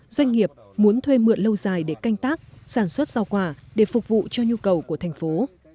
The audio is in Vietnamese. doanh nghiệp muốn thuê mượn lâu dài để canh tác sản xuất rau quả để phục vụ cho nhu cầu của thành phố